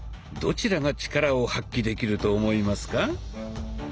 どちらがチカラを発揮できると思いますか？